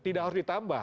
tidak harus ditambah